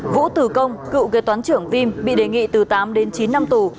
vũ tử công cựu gây toán trưởng vim bị đề nghị từ tám chín năm tù